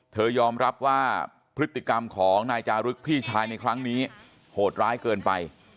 ยอมรับว่าพฤติกรรมของนายจารึกพี่ชายในครั้งนี้โหดร้ายเกินไป